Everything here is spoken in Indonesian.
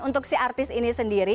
untuk si artis ini sendiri